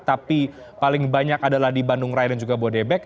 tapi paling banyak adalah di bandung raya dan juga bodebek